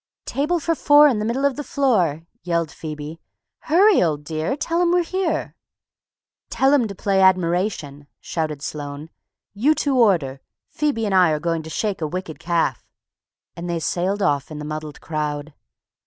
"Table for four in the middle of the floor," yelled Phoebe. "Hurry, old dear, tell 'em we're here!" "Tell 'em to play 'Admiration'!" shouted Sloane. "You two order; Phoebe and I are going to shake a wicked calf," and they sailed off in the muddled crowd.